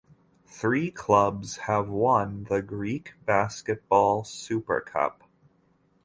Three clubs have won the Greek Basketball Super Cup.